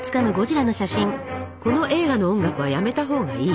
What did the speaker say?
この映画の音楽はやめたほうがいい。